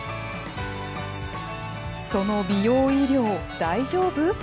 その美容医療、大丈夫？